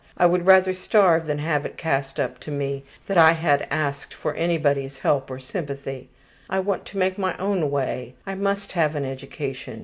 I would rather starve than have it cast up to me that I had asked for any body's help or sympathy. I want to make my own way. I must have an education.